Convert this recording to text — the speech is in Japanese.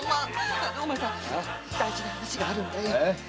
お前さん大事な話があるんだよ。